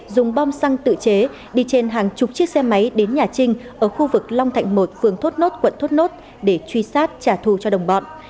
dùng bom xăng tự chế đi trên hàng chục chiếc xe máy đến nhà trinh ở khu vực long thạnh một phường thốt nốt quận thốt nốt để truy sát trả thù cho đồng bọn